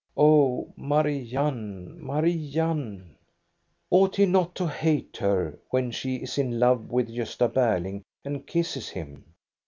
Oh, Marianne, Marianne ! Ought he not to hate her, when she is in love with Gosta Berling and kisses him?